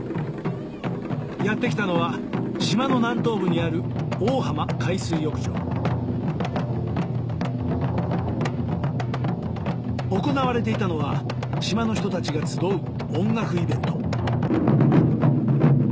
やって来たのは島の南東部にある行われていたのは島の人たちが集う音楽イベント